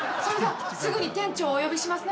すぐに店長をお呼びします